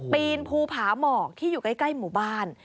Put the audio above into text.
ปีนภูผาหมอกที่อยู่ใกล้หมู่บ้าน